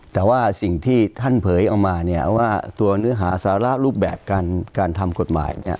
แต่ว่าสิ่งที่ท่านเผยออกมาเนี่ยว่าตัวเนื้อหาสาระรูปแบบการทำกฎหมายเนี่ย